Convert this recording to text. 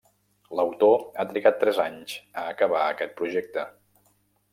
L'autor ha trigat tres anys a acabar aquest projecte.